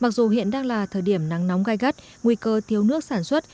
mặc dù hiện đang là thời điểm nắng nóng gai gắt nguy cơ thiếu nước sản xuất